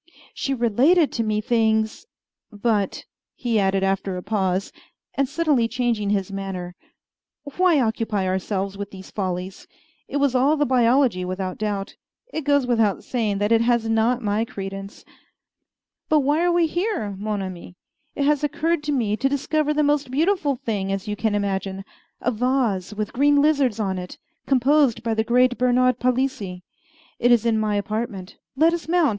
"She related to me things But," he added after a pause, and suddenly changing his manner, "why occupy ourselves with these follies? It was all the biology, without doubt. It goes without saying that it has not my credence. But why are we here, mon ami? It has occurred to me to discover the most beautiful thing as you can imagine a vase with green lizards on it, composed by the great Bernard Palissy. It is in my apartment; let us mount.